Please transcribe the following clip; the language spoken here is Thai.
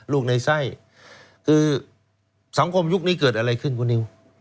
ลูกในไส้คือสังคมยุคนี้เกิดอะไรขึ้นคุณนิว